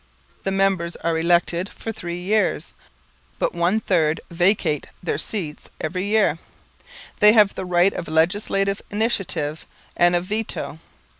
The members are elected for three years, but one third vacate their seats every year. They have the right of legislative initiative, and of veto.